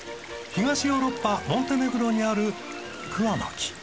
東ヨーロッパモンテネグロにある桑の木。